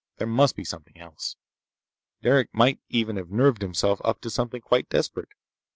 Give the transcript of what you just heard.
There must be something else. Derec might even have nerved himself up to something quite desperate.